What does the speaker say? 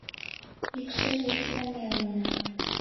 Икшыве — тиде ме улына.